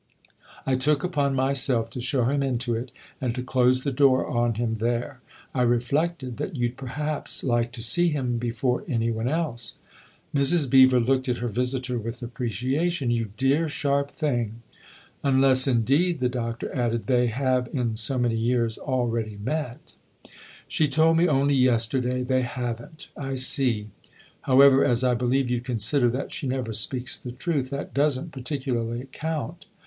I took upon myself to show him into it and to close the door on him there. I reflected that you'd perhaps like to see him before any one else." Mrs. Beever looked at her visitor with apprecia tion. " You dear, sharp thing !"" Unless, indeed," the Doctor added, " they have, in so many years, already met." ioS THE OTHER HOUSE " She told me only yesterday they haven't." " I see. However, as I believe you consider that she never speaks the truth, that doesn't particularly count."